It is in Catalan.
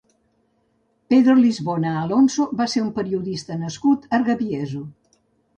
Pedro Lisbona Alonso va ser un periodista nascut a Argavieso.